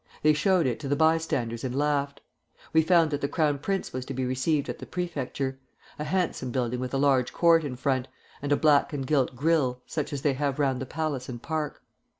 They showed it to the bystanders and laughed. We found that the Crown Prince was to be received at the prefecture, a handsome building with a large court in front, and a black and gilt grille, such as they have round the palace and park.